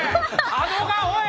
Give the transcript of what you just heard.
あのがおい！